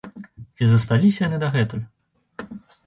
Ці засталіся яны дагэтуль?